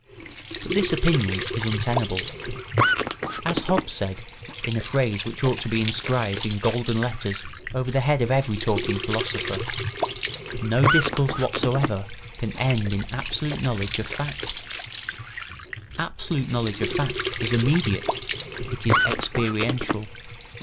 But this opinion is untenable. As Hobbes said, in a phrase which ought to be inscribed in golden letters over the head of every talking philosopher: No discourse whatsoever can end in absolute knowledge of fact. Absolute knowledge of fact is immediate, it is experiential.